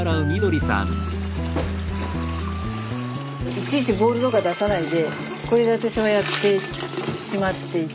いちいちボウルとか出さないでこれで私はやってしまっていて。